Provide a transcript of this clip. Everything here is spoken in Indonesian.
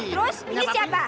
terus ini siapa